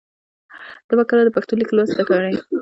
ته به کله د پښتو لیک لوست زده کړې؟